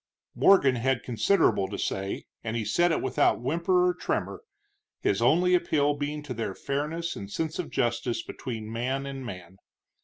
Morgan had considerable to say, and he said it without whimper or tremor, his only appeal being to their fairness and sense of justice between man and man.